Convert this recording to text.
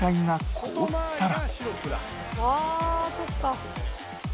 ああそっか。